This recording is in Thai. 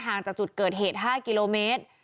จากจุดเกิดเหตุ๕กิโลเมตร